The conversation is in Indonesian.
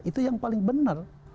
itu yang paling benar